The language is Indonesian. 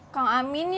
kang amin ya